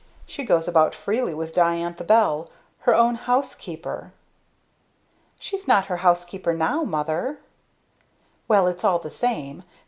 She goes about freely with Diantha Bell her own housekeeper!" "She's not her housekeeper now, mother " "Well, it's all the same!